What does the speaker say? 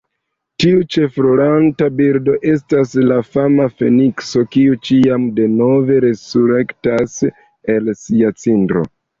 Tiu ĉefrolanta birdo estas la fama fenikso, kiu ĉiam denove resurektas el sia cindro.